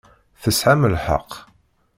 Tesɛam lḥeqq.